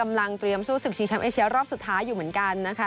มีแชมป์เอเชียรอบสุดท้ายอยู่เหมือนกันนะคะ